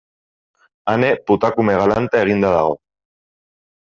Ane putakume galanta eginda dago.